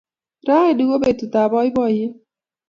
raini ko petutap poipoiyet